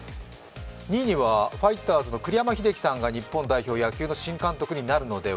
２位にはファイターズの栗山英樹さんが日本代表野球の新監督になるのでは？